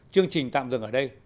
chương trình tạm dừng ở đây